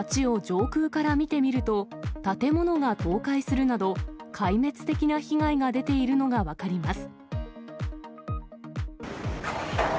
街を上空から見てみると、建物が倒壊するなど、壊滅的な被害が出ているのが分かります。